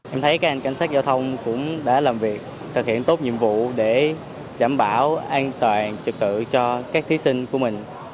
em thấy các anh cảnh sát giao thông cũng đã làm việc thực hiện tốt nhiệm vụ để đảm bảo an toàn trực tự cho các thí sinh của mình